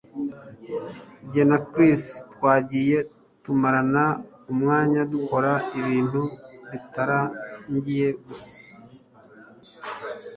Jye na Chris twagiye tumarana umwanya dukora ibintu bitarangiye gusa.